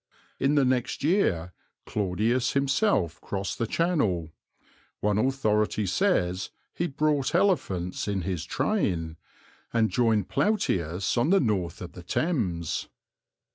In the next year Claudius himself crossed the Channel one authority says he brought elephants in his train and joined Plautius on the north of the Thames.